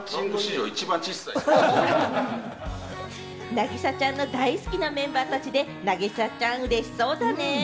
凪咲ちゃんの大好きなメンバーたちで、凪咲ちゃん、嬉しそうだね。